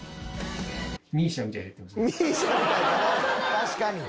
確かに。